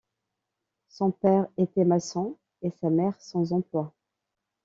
Son père était maçon et sa mère sans emploi.